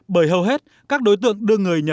bởi hầu hết các đối tượng đưa người nhận